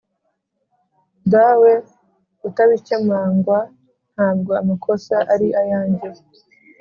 Dawe utabikemangwa ntabwo amakosa ari ayanjye